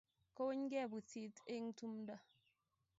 Ko unygei pusit eng tumdo